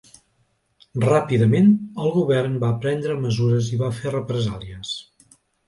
Ràpidament, el govern va prendre mesures i va fer represàlies.